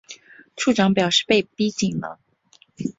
处长表示被逼紧了